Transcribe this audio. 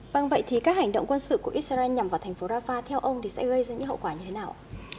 vâng vậy thì các hành động quân sự của israel nhằm vào thành phố rafah theo ông thì sẽ gây ra những hậu quả như thế nào ạ